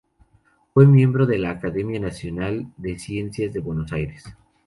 Fue miembro de la Academia Nacional de Ciencias de Buenos Aires.